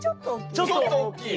ちょっとおっきい。